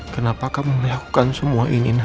kenapa kamu melakukan semua ini